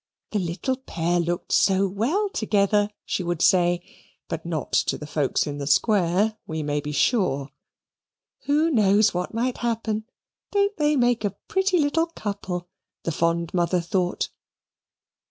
The little pair looked so well together, she would say (but not to the folks in "the Square," we may be sure) "who knows what might happen? Don't they make a pretty little couple?" the fond mother thought.